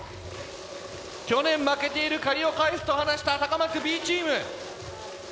去年負けている借りを返すと話した高松Ｂチーム。